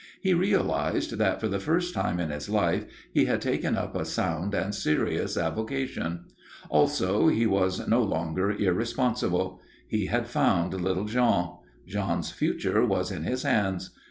He realized that, for the first time in his life, he had taken up a sound and serious avocation. Also, he was no longer irresponsible. He had found little Jean. Jean's future was in his hands.